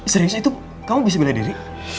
serius itu kamu bisa beladiri